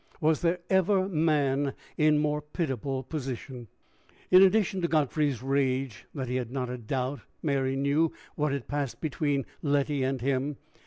Was there ever man in more pitiable position? It added to Godfrey's rage that he had not a doubt Mary knew what had passed between Letty and him.